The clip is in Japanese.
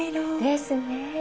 ですよね。